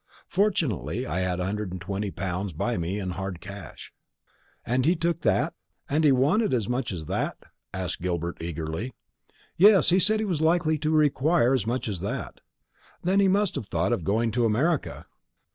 Fortunately, I had a hundred and twenty pounds by me in hard cash." "And he took that? he wanted as much as that?" asked Gilbert eagerly. "Yes, he said he was likely to require as much as that." "Then he must have thought of going to America."